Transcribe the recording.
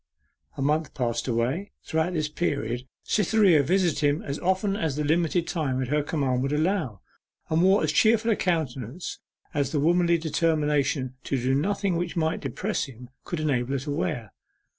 A month passed away; throughout this period, Cytherea visited him as often as the limited time at her command would allow, and wore as cheerful a countenance as the womanly determination to do nothing which might depress him could enable her to wear.